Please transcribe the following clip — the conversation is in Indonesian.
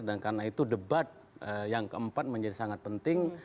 dan karena itu debat yang keempat menjadi sangat penting